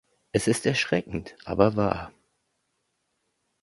Es ist erschreckend aber wahr.